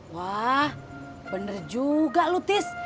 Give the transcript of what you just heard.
wah bener juga lu tis